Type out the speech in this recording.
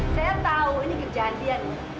saya tahu ini kerjaan dia nih